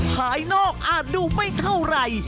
ภายนอกอาจดูไม่เท่าไหร่